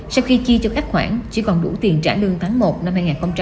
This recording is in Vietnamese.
sau khi chi cho các khoản chỉ còn đủ tiền trả lương tháng một năm hai nghìn hai mươi